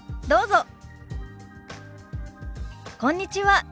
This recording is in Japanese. どうぞ。